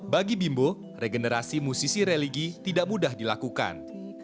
bagi bimbo regenerasi musisi religi tidak mudah dilakukan